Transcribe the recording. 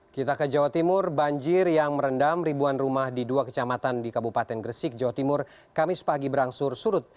kita ke jawa timur banjir yang merendam ribuan rumah di dua kecamatan di kabupaten gresik jawa timur kamis pagi berangsur surut